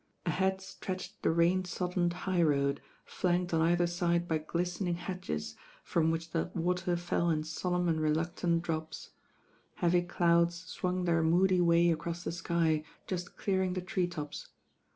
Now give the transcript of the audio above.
Ahead stretched the rain soddened high road, flanked on either side by glistening hedges, from which the water fell in solemn and reluctant drops. Heavy clouds swung their moody way across the sky, just clearing the tree tops.